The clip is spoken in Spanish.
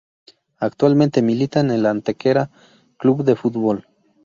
Actualmente milita en el Antequera Club de Fútbol.